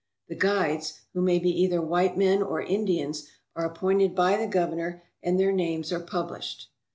The guides, who may be either white men or Indians, are appointed by the Governor, and their names are published.